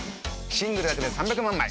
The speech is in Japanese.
シングルだけで３００万枚。